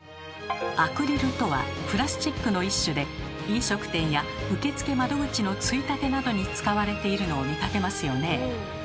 「アクリル」とはプラスチックの一種で飲食店や受付窓口のついたてなどに使われているのを見かけますよね。